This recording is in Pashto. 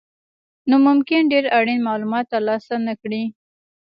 نو ممکن ډېر اړین مالومات ترلاسه نه کړئ.